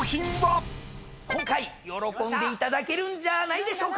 今回喜んでいただけるんじゃないでしょうか。